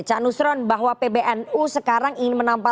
cak nusron bahwa pbnu sekarang ingin menampak